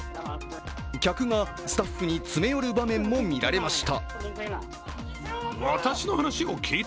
客がスタッフに詰め寄る場面も見られました。